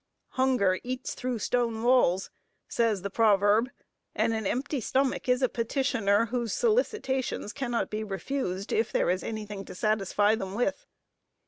"Hunger eats through stone walls," says the proverb, and an empty stomach is a petitioner, whose solicitations cannot be refused, if there is anything to satisfy them with.